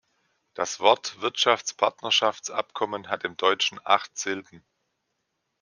Das Wort "Wirtschaftspartnerschaftsabkommen" hat im Deutschen acht Silben.